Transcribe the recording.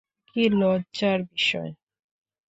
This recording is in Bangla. কী লজ্জার বিষয়!